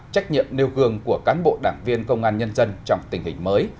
trách nhiệm nêu gương của cán bộ đảng viên công an nhân dân trong tình hình mới